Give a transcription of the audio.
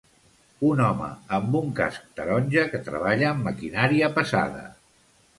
Un home amb un casc taronja que treballa amb maquinària pesada.